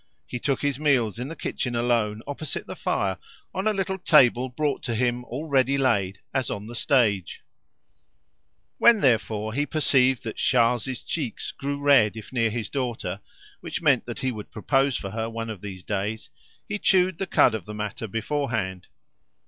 He took his meals in the kitchen alone, opposite the fire, on a little table brought to him all ready laid as on the stage. A mixture of coffee and spirits. When, therefore, he perceived that Charles's cheeks grew red if near his daughter, which meant that he would propose for her one of these days, he chewed the cud of the matter beforehand.